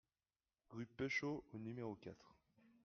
Rue Pechaud au numéro quatre